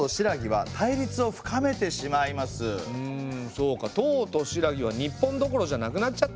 そうか唐と新羅は日本どころじゃなくなっちゃったってことね。